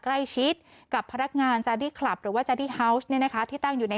ใกล้ชิดกับพระรักงานจารย์คลับหรือว่าจารย์ที่ตั้งอยู่ใน